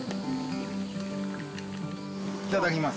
いただきます。